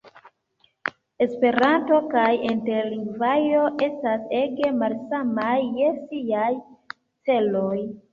Esperanto kaj interlingvao estas ege malsamaj je siaj celoj.